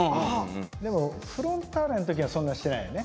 でもフロンターレの時はそんなしてないよね。